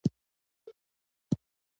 هېواد د نجو د ارمان کور دی.